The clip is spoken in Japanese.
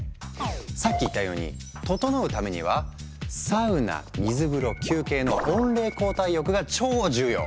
さっき言ったように「ととのう」ためには「サウナ水風呂休憩」の温冷交代浴が超重要！